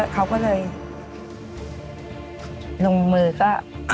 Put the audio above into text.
เขาก็เลยลงมือก็